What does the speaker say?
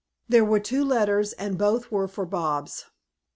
There were two letters and both were for Bobs.